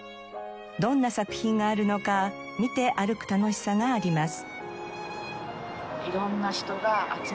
どんな作品があるのか見て歩く楽しさがあります。